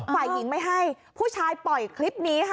ฝ่ายหญิงไม่ให้ผู้ชายปล่อยคลิปนี้ค่ะ